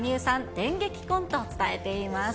電撃婚と伝えています。